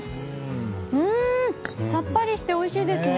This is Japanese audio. さっぱりしておいしいですね！